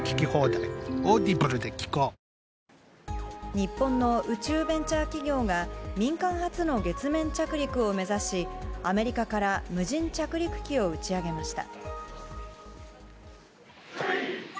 日本の宇宙ベンチャー企業が、民間初の月面着陸を目指し、アメリカから無人着陸機を打ち上げました。